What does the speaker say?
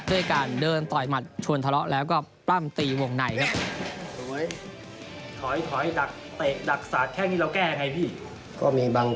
ด้วยการเดินต่อยหมัดชวนทะเลาะแล้วก็ปล้ำตีวงในครับ